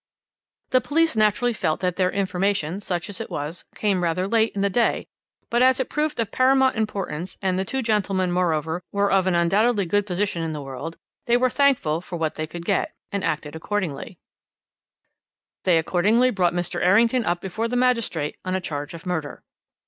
"The police naturally felt that their information, such as it was, came rather late in the day, but as it proved of paramount importance, and the two gentlemen, moreover, were of undoubtedly good position in the world, they were thankful for what they could get, and acted accordingly; they accordingly brought Mr. Errington up before the magistrate on a charge of murder.